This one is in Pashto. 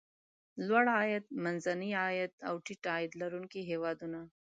لوړ عاید، منځني عاید او ټیټ عاید لرونکي هېوادونه.